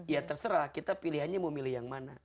ya terserah kita pilihannya mau milih yang mana